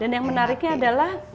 dan yang menariknya adalah